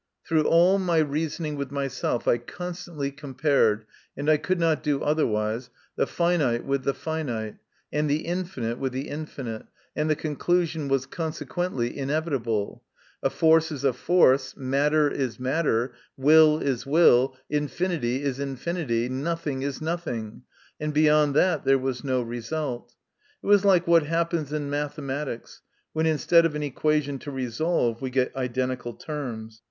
Through all my reasoning with myself I constantly compared, and I could not do otherwise, the finite with the finite, and the infinite with the infinite, and the conclusion was consequently inevitable: a force is a force, matter is matter, will is will, infinity is infinity, nothing is nothing and beyond that there was no result It was like what happens in mathematics, when instead of an equation to resolve we get identical terms.